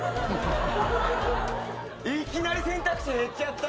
いきなり選択肢減っちゃった。